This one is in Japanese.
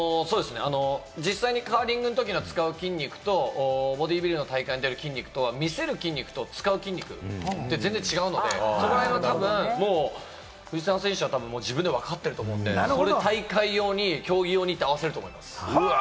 カーリングのときに使う筋肉と、ボディビルの大会で出る筋肉と、見せる筋肉と使う筋肉、全然違うので、そのあたりは藤澤選手はたぶん自分でわかってると思うので、大会用に競技用にって合わせると思います。